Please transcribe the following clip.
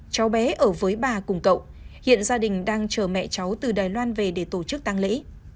cháu bé ở với bà cùng cậu hiện gia đình đang chờ mẹ cháu từ đài loan về để tổ chức tăng lễ